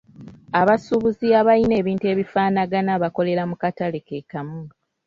Abasuubuzi abalina ebintu ebifaanagana bakolera mu katale ke kamu.